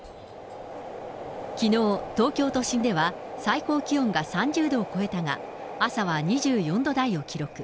きのう、東京都心では最高気温が３０度を超えたが、朝は２４度台を記録。